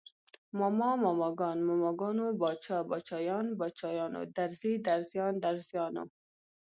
ماما، ماماګان، ماماګانو، باچا، باچايان، باچايانو، درزي، درزيان، درزیانو